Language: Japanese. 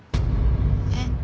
えっ。